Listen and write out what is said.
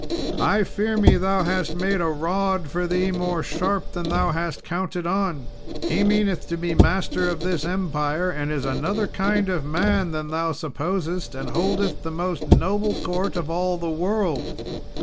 I fear me thou hast made a rod for thee more sharp than thou hast counted on. He meaneth to be master of this empire; and is another kind of man than thou supposest, and holdeth the most noble court of all the world.